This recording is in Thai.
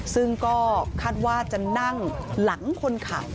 ซึ่งก็คาดว่าจะนั่งหลังคนขับ